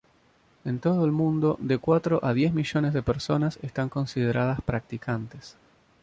En todo el mundo, de cuatro a diez millones de personas están consideradas practicantes.